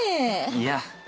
いや。